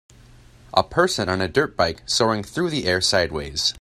A person on a dirt bike soaring through the air sideways.